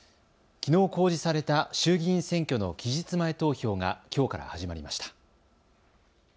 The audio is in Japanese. きのう公示された衆議院選挙の期日前投票がきょうから始まりました。